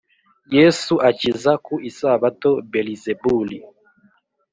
Yesu akiza ku isabato belizebuli